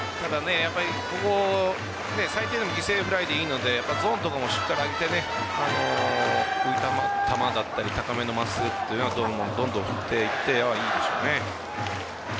ここ、最低でも犠牲フライでいいのでゾーンとかもしっかり上げて高めの真っすぐというのはどんどん振っていっていいでしょうね。